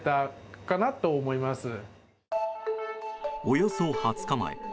およそ２０日前。